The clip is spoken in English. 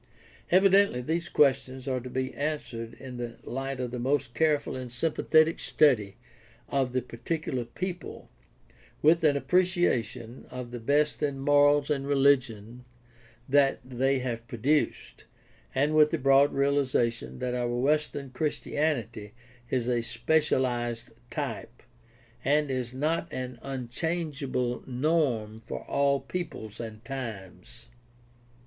Evi dently these questions are to be answered in the light of the 634 GUIDE TO STUDY OF CHRISTIAN RELIGION most careful and sympathetic study of the particular people, with an appreciation of the best in morals and religion that they have produced, and with a broad realization that our Western Christianity is a specialized type, and is not an unchangeable norm for all peoples and times.